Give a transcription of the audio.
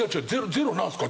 ゼロなんですか？